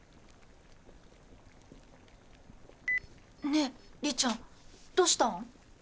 ねえ李ちゃんどしたん？